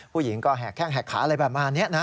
ผู้หญิงก็แหกแข้งแหกขาอะไรประมาณนี้นะ